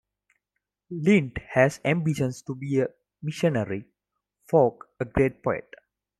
Lind has ambitions to be a missionary, Falk a great poet.